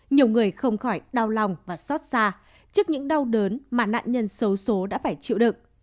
nhiều người không khỏi đau lòng và xót xa trước những đau đớn mà nạn nhân xấu xố đã phải chịu đựng